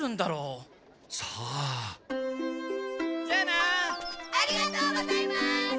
ありがとうございます！